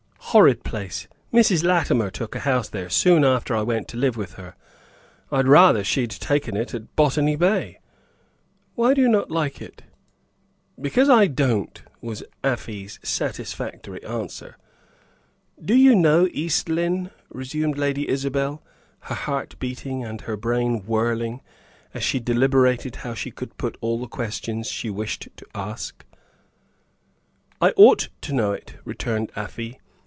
Horrid place. Mrs. Latimer took a house there soon after I went to live with her. I'd rather she'd taken it at Botany Bay." "Why do you not like it?" "Because I don't," was Afy's satisfactory answer. "Do you know East Lynne?" resumed Lady Isabel, her heart beating and her brain whirling, as she deliberated how she could put all the questions she wished to ask. "I ought to know it," returned Afy.